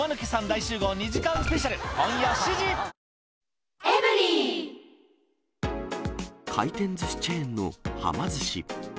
キリン「陸」回転ずしチェーンのはま寿司。